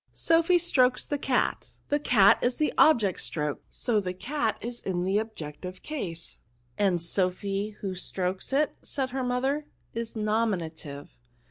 Soph}^ strokes the catf the o 146 N0UN5. cat is the object stroked, and so cat is in the objective case/' " And Sophy y who strokes it," said her mother, " is nominative."